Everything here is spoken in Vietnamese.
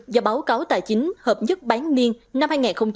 do báo cáo tài chính hợp nhất bán niên năm hai nghìn hai mươi